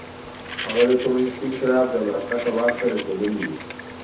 هغه د کمونېستي انقلاب له برکته واک ته رسېدلی و.